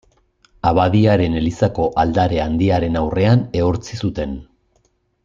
Abadiaren elizako aldare handiaren aurrean ehortzi zuten.